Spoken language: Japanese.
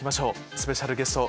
スペシャルゲスト